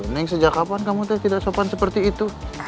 neng sejak kapan kamu tidak sopan seperti itu